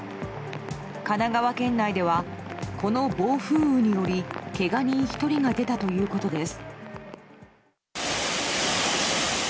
神奈川県内ではこの暴風雨によりけが人１人が出たということです。